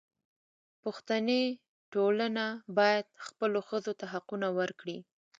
پښتني ټولنه باید خپلو ښځو ته حقونه ورکړي.